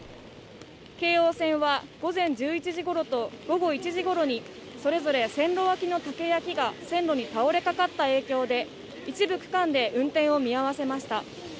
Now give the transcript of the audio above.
京王線は午前１１時ごろと午後１時ごろにそれぞれ線路脇の竹や木が線路に倒れかかった影響で一部区間で運転を見合わせました。